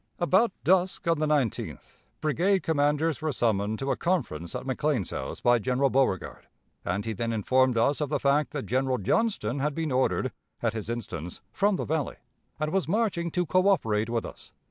"About dusk on the 19th, brigade commanders were summoned to a conference at McLean's house by General Beauregard, and he then informed us of the fact that General Johnston had been ordered, at his instance, from the Valley, and was marching to coöperate with us.